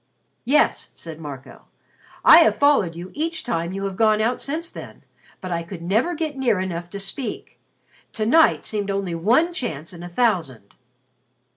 "Yes," said Marco, "I have followed you each time you have gone out since then, but I could never get near enough to speak. To night seemed only one chance in a thousand."